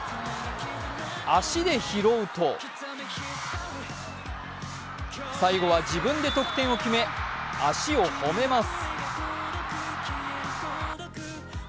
足で拾うと、最後は自分で得点を決め足を褒めます。